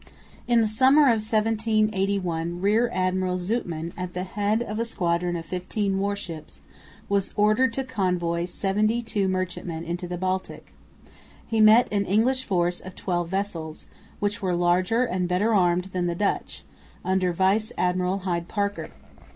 In the summer of 1781 Rear Admiral Zoutman, at the head of a squadron of fifteen war ships, was ordered to convoy seventy two merchantmen into the Baltic. He met an English force of twelve vessels, which were larger and better armed than the Dutch, under Vice Admiral Hyde Parker.